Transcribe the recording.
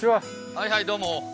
はいはいどうも。